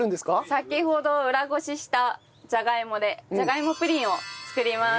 先ほど裏ごししたじゃがいもでじゃがいもプリンを作ります。